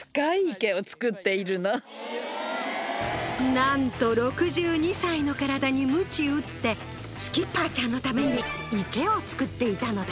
なんと６２歳の体にむち打ってスキッパーちゃんのために池を作っていたのだ。